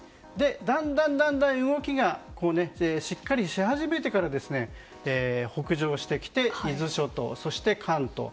だんだん動きがしっかりし始めてから北上してきて、伊豆諸島そして関東。